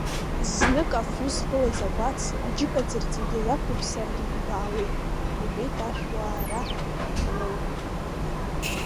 Знык афҩы зхылаз акәац аџьыкаӡырӡ егьа иақәуԥсаргьы ибаауеит иҳәеит ашәуаа раҳ Лоу.